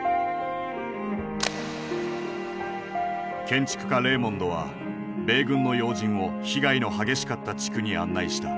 建築家レーモンドは米軍の要人を被害の激しかった地区に案内した。